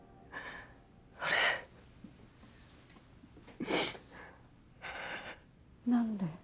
あれっ？何で？